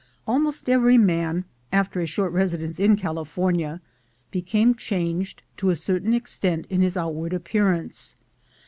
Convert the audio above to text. Almost every man, after a short residence in Call LOOKING FOR GOLD 121 fornia, became changed to a certain extent in his out ward appearance.